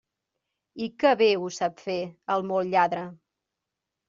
I que bé ho sap fer, el molt lladre!